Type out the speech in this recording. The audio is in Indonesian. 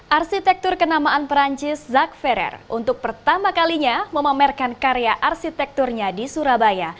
arsitektur kenamaan perancis zak ferer untuk pertama kalinya memamerkan karya arsitekturnya di surabaya